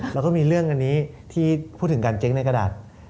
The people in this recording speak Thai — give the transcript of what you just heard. แล้วก็มีเรื่องอันนี้ที่พูดถึงการเจ๊งในกระดาษ